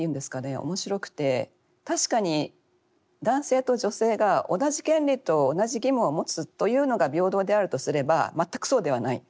面白くて確かに男性と女性が同じ権利と同じ義務を持つというのが平等であるとすれば全くそうではない。